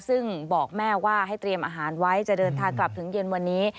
ซึ่งบอกแม่ว่าให้เตรียมอาหารไว้จะเดินทางกลับถึงเย็นวันนี้